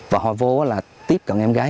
và họ vô là tiếp cận em gái